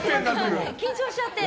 緊張しちゃって。